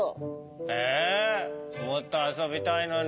えもっとあそびたいのに。